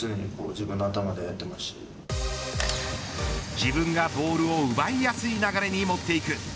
自分がボールを奪いやすい流れに持っていく。